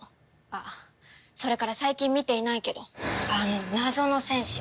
あっそれから最近見ていないけどあの謎の戦士。